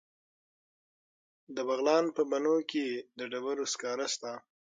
د بغلان په بنو کې د ډبرو سکاره شته.